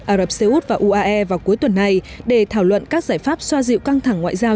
ả rập xê út và uae vào cuối tuần này để thảo luận các giải pháp xoa dịu căng thẳng ngoại giao